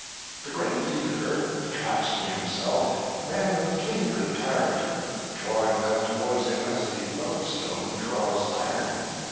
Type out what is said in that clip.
The great leader attracts to himself men of kindred character, drawing them towards him as the loadstone draws iron.